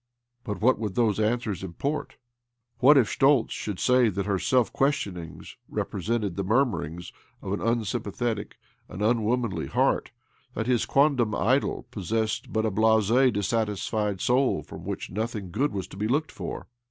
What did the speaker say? But what would those answers import? What if Schtoltz should say that her self questionings represented the mur murings of an unsym^pathetic, an unwomanly, heart— that his quondam idol possessed but a blase, dissatisfied soul from which nothing good was to be looked for?